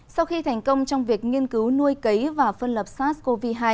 sau khi thành công trong việc nghiên cứu nuôi cấy và phân lập sars cov hai